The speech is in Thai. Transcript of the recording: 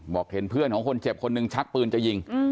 เห็นเพื่อนของคนเจ็บคนหนึ่งชักปืนจะยิง